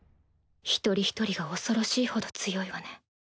一人一人が恐ろしいほど強いわね